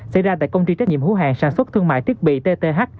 xảy ra tại công ty trách nhiệm hữu hàng sản xuất thương mại thiết bị tth